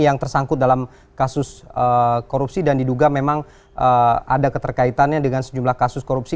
yang tersangkut dalam kasus korupsi dan diduga memang ada keterkaitannya dengan sejumlah kasus korupsi